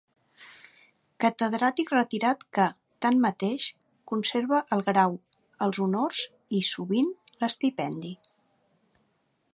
Catedràtic retirat que, tanmateix, conserva el grau, els honors i, sovint, l'estipendi.